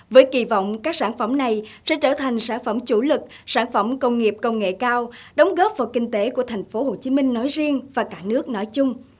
với kỳ vọng các sản phẩm này sẽ trở thành sản phẩm chủ lực sản phẩm công nghiệp công nghệ cao đóng góp vào kinh tế của tp hcm nói riêng và cả nước nói chung